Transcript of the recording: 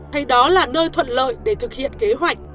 thấy đó là nơi thuận lợi để thực hiện kế hoạch